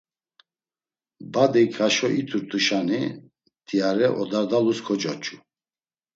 Badik haşo it̆urt̆uşani mtiare odardalus kocoç̌u.